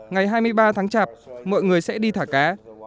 ngày hai mươi ba tháng chạp mọi người sẽ đi thả cá